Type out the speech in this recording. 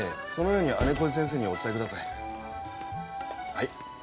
はい。